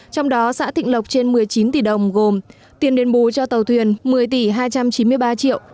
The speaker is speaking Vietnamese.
trong đó xã thịnh lộc trên một mươi chín tỷ đồng gồm tiền đền bù cho tàu thuyền một mươi tỷ hai trăm chín mươi ba triệu